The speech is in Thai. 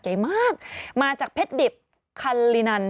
ใหญ่มากมาจากเพชรดิบคันลินัน